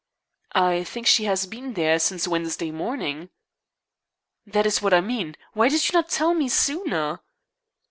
"I think she has been there since Wednesday morning." "That is what I mean. Why did you not tell me sooner?"